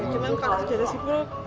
cuma kalau rp seratus